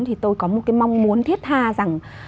một cái mong muốn thiết tha rằng